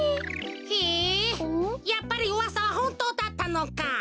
へえやっぱりうわさはホントだったのか。